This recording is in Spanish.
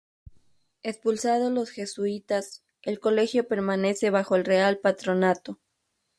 Expulsados los jesuitas, el colegio permanece bajo el Real Patronato.